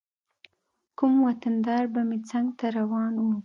کوم وطن دار به مې څنګ ته روان و.